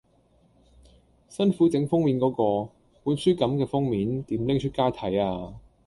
辛苦整封面嗰個，本書感嘅封面，點拎出街睇呀